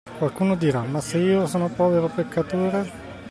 Qualcuno dirà: ma se io sono povero peccatore?